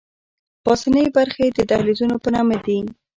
پاسنۍ برخې یې د دهلیزونو په نامه دي.